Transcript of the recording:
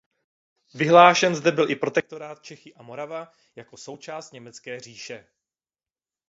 Vyhlášen zde byl i Protektorát Čechy a Morava jako součást Německé říše.